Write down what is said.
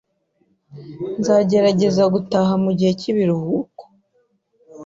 Nzagerageza gutaha mugihe cyibiruhuko